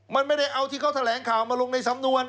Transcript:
มันไม่ได้เอาที่เขาแถลงข่าวมาลงในสำนวน